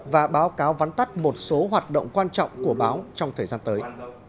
và báo cáo vắn tắt một số hoạt động quan trọng của báo trong thời gian tới